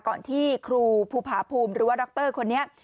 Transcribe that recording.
ก่อนที่ครูพูพหาภูมิหรือว่าดรคนนี้